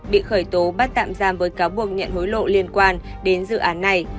bị khởi tố bắt tạm giam với cáo buộc nhận hối lộ liên quan đến dự án này